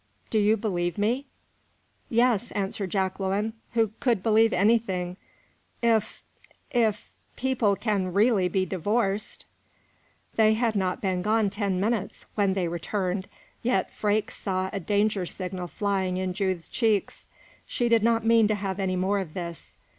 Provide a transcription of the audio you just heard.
Do you believe me?" "Yes," answered Jacqueline, who could believe anything, "if if people can really be divorced." They had not been gone ten minutes, when they returned, yet Freke saw a danger signal flying in Judith's cheeks. She did not mean to have any more of this.